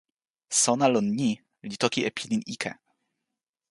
sona lon ni li toki e pilin ike.